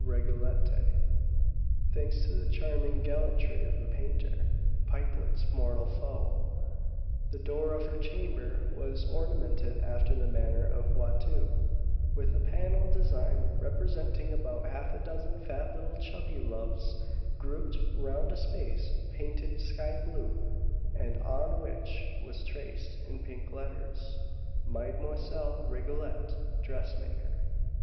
Rigolette. Thanks to the charming gallantry of the painter, Pipelet's mortal foe, the door of her chamber was ornamented after the manner of Watteau, with a panel design representing about half a dozen fat little chubby Loves, grouped round a space painted sky blue, and on which was traced, in pink letters, "Mademoiselle Rigolette, Dressmaker."